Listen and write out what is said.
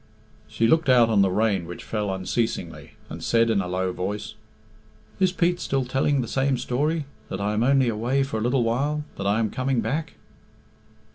She looked out on the rain which fell unceasingly, and said in a low voice, "Is Pete still telling the same story that I am only away for a little while that I am coming back?"